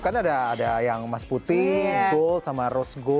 kan ada yang emas putih gold sama rose gold